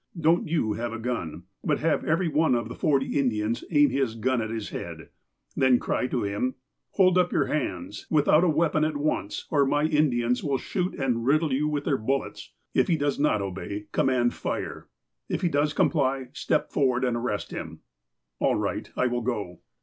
Don't you have a gun. But have every one of the forty Indians aim his gun at his head. Then cry to him :' Hold up your hands, without a weapon, at once, or my Indians will shoot and riddle you with their bullets.' If he does not obey, command :' Fire !' If he does comply, step for ward, and arrest him." "All right, I will go."